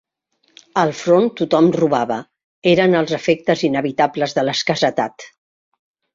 Al front tothom robava; eren els efectes inevitables de l'escassetat;